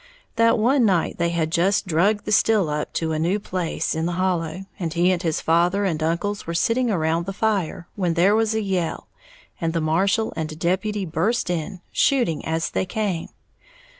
That one night they had just "drug" the still up to a new place in the hollow, and he and his father and uncles were sitting around the fire, when there was a yell, and the marshal and a deputy burst in, shooting as they came.